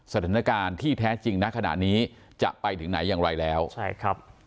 สถานการณ์ที่แท้จริงนะขณะนี้จะไปถึงไหนอย่างไรแล้วใช่ครับ